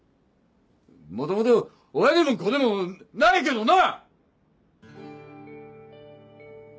元々親でも子でもないけどな！